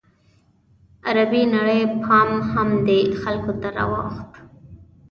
عربي نړۍ پام هم دې خلکو ته راواوښت.